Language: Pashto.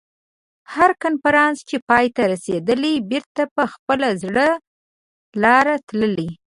هر کنفرانس چې پای ته رسېدلی بېرته په خپله زړه لاره تللي.